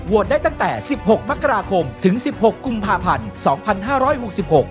ได้ตั้งแต่สิบหกมกราคมถึงสิบหกกุมภาพันธ์สองพันห้าร้อยหกสิบหก